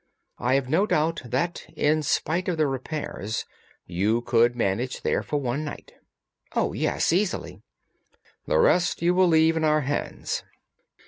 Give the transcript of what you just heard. I have no doubt that, in spite of the repairs, you could manage there for one night." "Oh, yes, easily." "The rest you will leave in our hands."